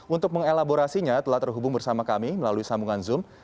untuk mengelaborasinya telah terhubung bersama kami melalui sambungan zoom